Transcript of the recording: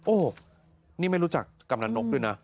โอ้โหนี่ไม่รู้จักกำนันนกด้วยนะ